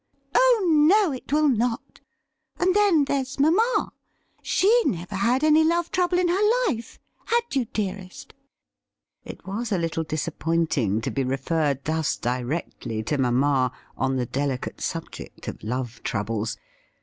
' Oh no, it will not. And, then, there's mamma ; she had never any love trouble in her life — had you, dearest .?' It was a little disappointing to be referred thus directly to mamma on the delicate subject of love troubles.